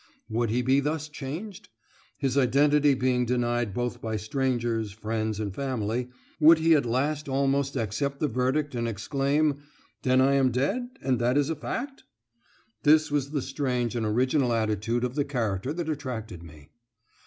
Would he be thus changed? His identity being denied both by strangers, friends, and family, would he at last almost accept the verdict and exclaim, "Then I am dead, and that is a fact?" This was the strange and original attitude of the character that attracted me.